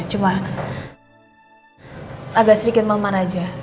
cuma agak sedikit memana aja